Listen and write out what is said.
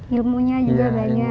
ilmunya juga banyak